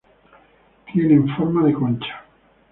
Tienen forma de concha.